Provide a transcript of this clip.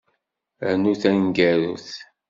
Rnu taneggarut.